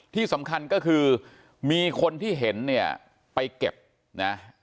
ที่สำคัญก็คือมีคนที่เห็นเนี่ยไปเก็บนะ